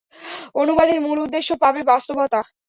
অনুবাদের মূল উদ্দেশ্য পাবে বাস্তবতা।